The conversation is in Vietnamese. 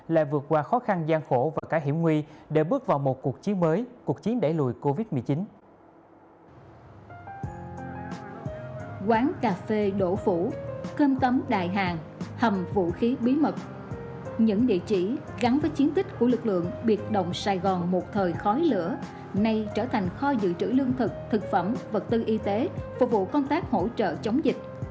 lại vượt qua khó khăn gian khổ và cả hiểm nguy để bước vào một cuộc chiến mới cuộc chiến đẩy lùi covid một mươi chín